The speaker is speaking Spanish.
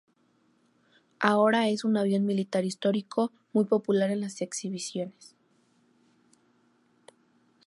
Ahora es un avión militar histórico muy popular en las exhibiciones.